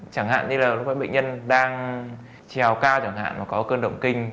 chẳng hạn như là lúc bệnh nhân đang trèo cao chẳng hạn mà có cơn động kinh